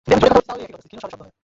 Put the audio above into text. এইতো আরেকটা নির্মাণাধীন বিল্ডিং।